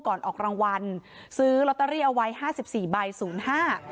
ออกรางวัลซื้อลอตเตอรี่เอาไว้ห้าสิบสี่ใบศูนย์ห้า